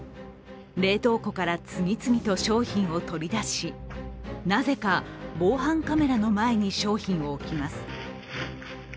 冷凍庫から次々と商品を取り出しなぜか防犯カメラの前に商品を置きます。